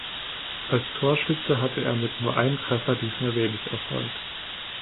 Als Torschütze hatte er mit nur einem Treffer diesmal wenig Erfolg.